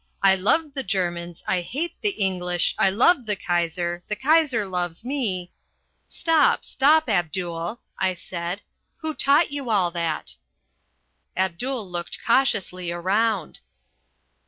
I love the Germans. I hate the English. I love the Kaiser. The Kaiser loves me " "Stop, stop, Abdul," I said, "who taught you all that?" Abdul looked cautiously around.